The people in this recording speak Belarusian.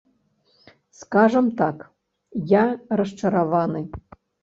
Скажам так, я расчараваны.